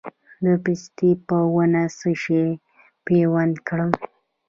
د پستې په ونه څه شی پیوند کړم؟